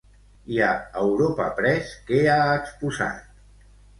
I a Europa Press què ha exposat?